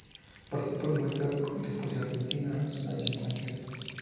Participó muestras de poesía argentina, nacionales y extranjeras.